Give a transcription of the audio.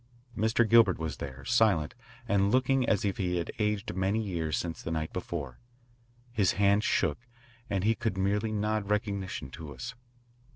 Mr. Gilbert was there, silent, and looking as if he had aged many years since the night before; his hand shook and he could merely nod recognition to us.